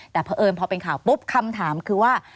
แต่เพราะเอิญพอเป็นข่าวปุ๊บคำถามคือว่า